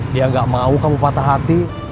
dia gak mau kamu patah hati